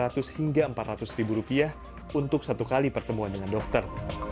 hanya tiga ratus hingga empat ratus ribu rupiah untuk satu kali pertemuan dengan dokter